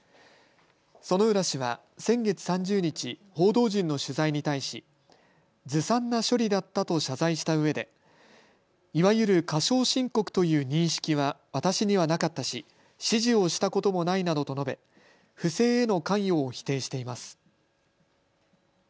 薗浦氏は先月３０日、報道陣の取材に対しずさんな処理だったと謝罪したうえでいわゆる過少申告という認識は私にはなかったし指示をしたこともないなどと述べ不正への関与を否定しています。